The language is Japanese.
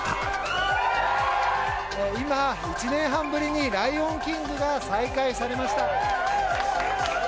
今、１年半ぶりにライオンキングが再開されました。